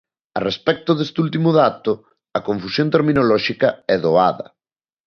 A respecto deste último dato, a confusión terminolóxica é doada.